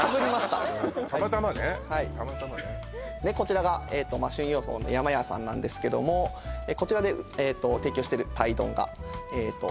たまたまねはいでこちらが駿陽荘のやま弥さんなんですけどもこちらで提供してる鯛丼がえっと